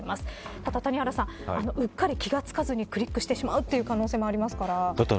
ただ、谷原さん、うっかり気が付かずにクリックしてしまう可能性もありますから。